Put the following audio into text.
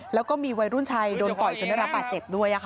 แล้วก็มีวัยรุ่นชายโดนต่อยจนได้รับบาดเจ็บด้วย